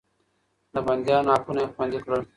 د بنديانو حقونه يې خوندي کړل.